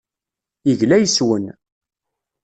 Yegla yes-wen.